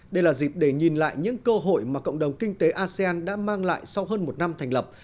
đây là dịp để nhìn lại những cơ hội mà cộng đồng kinh tế asean đã mang lại sau hơn một năm thành lập